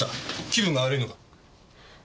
気分が悪いのか？